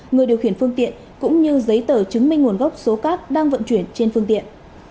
người điều khiển phương tiện cũng như giấy tờ chứng minh nguồn gốc số cát đang vận chuyển trên phương tiện